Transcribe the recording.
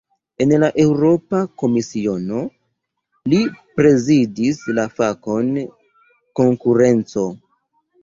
En la Eŭropa Komisiono, li prezidis la fakon "konkurenco".